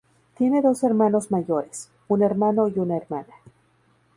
Tiene dos hermanos mayores, un hermano y una hermana.